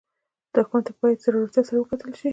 دښمن ته باید زړورتیا سره وکتل شي